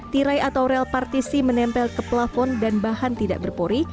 tirai atau rel partisi menempel ke plafon dan bahan tidak berpori